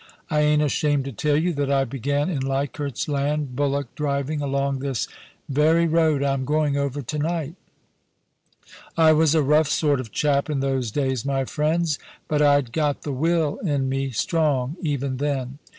I ain't ashamed to tell you that I began in Leichardt's Land bullock driving along this very road I'm going over to night I was a rough sort of chap in those days, my friends, but I'd got the will in me strong even then.